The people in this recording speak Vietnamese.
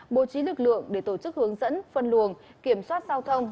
bố trí lực lượng để tổ chức hướng dẫn phân luồng kiểm soát giao thông